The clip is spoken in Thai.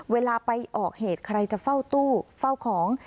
เวลาไปออกเหตุใครจะเฝ้าตู้เฝ้าของ